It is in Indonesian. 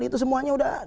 itu semuanya udah